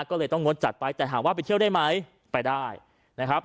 ก็เลยต้องงดจัดไปแต่ถามว่าไปเที่ยวได้ไหมไปได้นะครับ